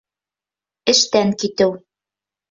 Эштән китеү